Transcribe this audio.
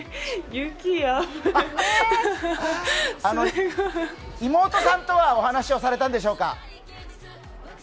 雪、やばい、すごい妹さんとはお話をされたんでしょうか？